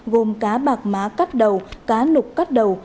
gồm cá bạc má cắt đầu cá nục cắt đầu